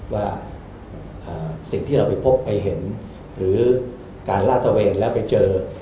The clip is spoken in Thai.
ว่าสิ่งที่เราไปพบไปเห็นหรือการลาดตะเวนแล้วไปเจอ